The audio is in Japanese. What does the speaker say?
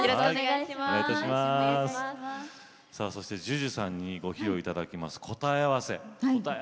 そして、ＪＵＪＵさんにご披露いただきます